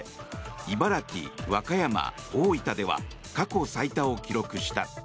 茨城、和歌山、大分では過去最多を記録した。